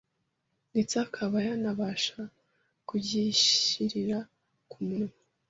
ndetse akaba yanabasha kugishyirira ku munwa.